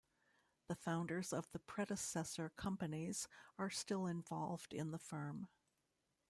The founders of the predecessor companies are still involved in the firm.